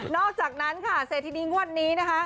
อกจากนั้นค่ะเศรษฐินีงวดนี้นะคะ